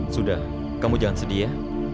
sudah kamu jangan sedia